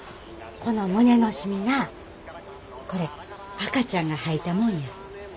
この胸の染みなこれ赤ちゃんが吐いたもんや。